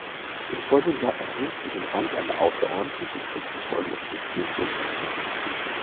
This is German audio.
Im folgenden Jahr erhielt sie den Rang einer außerordentlichen und bevollmächtigten Botschafterin.